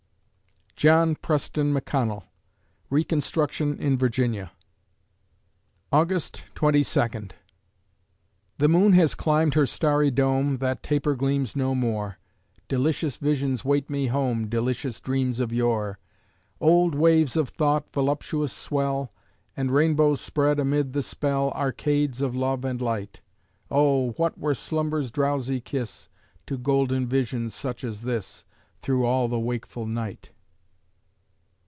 JOHN PRESTON MCCONNELL (Reconstruction in Virginia) August Twenty Second The moon has climbed her starry dome, That taper gleams no more: Delicious visions wait me home, Delicious dreams of yore. Old waves of thought voluptuous swell, And rainbows spread amid the spell Arcades of love and light. Oh! what were slumber's drowsy kiss, To golden visions such as this, Through all the wakeful night?